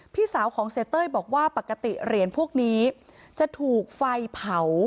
พี่สาวของเสียเต้ยบอกว่าปกติเหรียญพวกนี้จะถูกไฟเผา